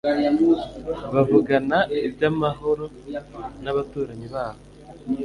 bavugana iby'amahoro n'abaturanyi babo